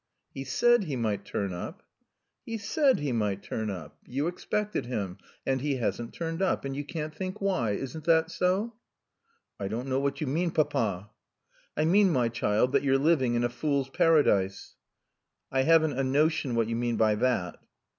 "He said he might turn up." "He said he might turn up. You expected him. And he hasn't turned up. And you can't think why. Isn't that so?" "I don't know what you mean, Papa." "I mean, my child, that you're living in a fool's paradise." "I haven't a notion what you mean by that."